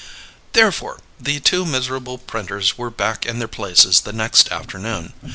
Therefore, the two miserable printers were back in their places the next afternoon.